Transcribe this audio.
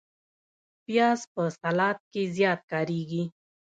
پیاز په سلاد کې زیات کارېږي